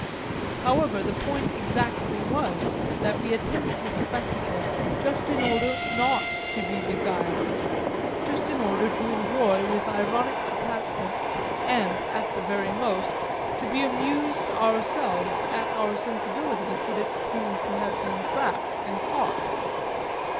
However, the point exactly was that we attended this spectacle just in order not to be beguiled, just in order to enjoy with ironic detachment and, at the very most, to be amused ourselves at our sensibility should it prove to have been trapped and caught.